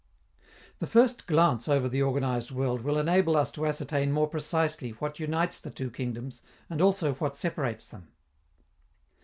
This first glance over the organized world will enable us to ascertain more precisely what unites the two kingdoms, and also what separates them.